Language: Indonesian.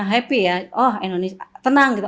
happy ya oh indonesia tenang gitu